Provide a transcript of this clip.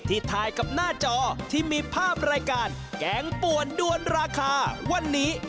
ถ่ายกับหน้าจอที่มีภาพรายการแกงป่วนด้วนราคาวันนี้